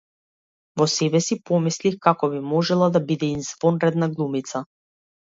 Во себе си помислив како би можела да биде извонредна глумица.